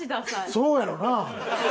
そうやろな。